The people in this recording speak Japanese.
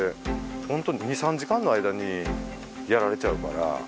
ホントに２３時間の間にやられちゃうから。